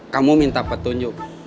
kamu minta petunjuk